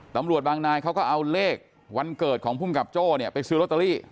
ตำรวจบางนายเขาก็เอาเลขวันเกิดของภูมิกับโจ้เนี่ยไปซื้อลอตเตอรี่